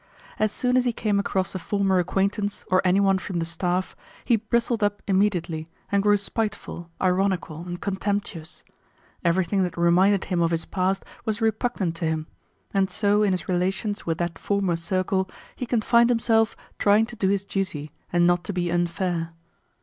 As soon as he came across a former acquaintance or anyone from the staff, he bristled up immediately and grew spiteful, ironical, and contemptuous. Everything that reminded him of his past was repugnant to him, and so in his relations with that former circle he confined himself to trying to do his duty and not to be unfair.